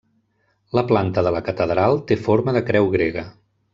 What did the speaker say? La planta de la catedral té forma de creu grega.